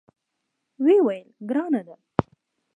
ویې ویل: ګرانه ده.